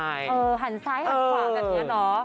หันซ้ายหันขวางอย่างนั้นหรอ